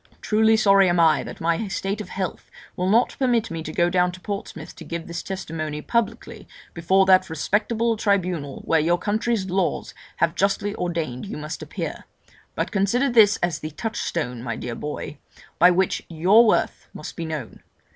Truly sorry am I that my state of health will not permit me to go down to Portsmouth to give this testimony publicly before that respectable tribunal where your country's laws have justly ordained you must appear; but consider this as the touchstone, my dear boy, by which your worth must be known.